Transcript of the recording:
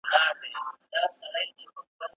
ګربت چي کښیني پر ډېران هغه کارغه وبوله